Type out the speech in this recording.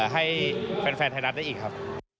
ให้แฟนไทยรัฐได้อีกครับ